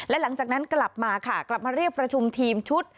และหลังจากนั้นกลับมาค่ะกลับมาเรียกประชุมทีมชุด